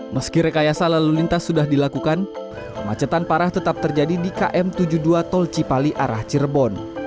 meski rekayasa lalu lintas sudah dilakukan kemacetan parah tetap terjadi di km tujuh puluh dua tol cipali arah cirebon